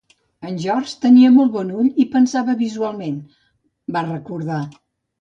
"En George tenia molt bon ull, i pensava visualment", va recordar.